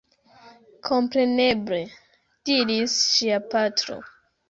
Kompreneble! diris ŝia patro.